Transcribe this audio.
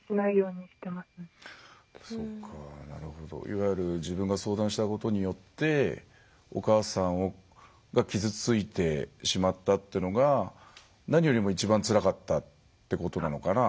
いわゆる自分が相談したことによってお母さんが傷ついてしまったっていうのが何よりも一番つらかったってことなのかな？